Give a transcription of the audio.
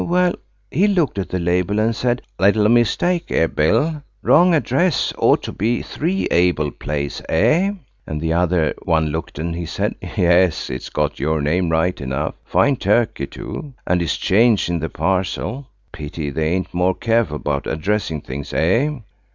"Well, he looked at the label and said, 'Little mistake here, Bill–wrong address; ought to be 3, Abel Place, eh?' "And the other one looked, and he said, 'Yes; it's got your name right enough. Fine turkey, too, and his chains in the parcel. Pity they ain't more careful about addressing things, eh?'